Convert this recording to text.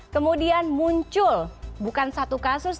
kemudian muncul bukan satu kasus